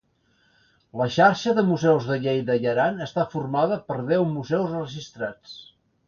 La Xarxa de Museus de Lleida i Aran està formada per deu museus registrats.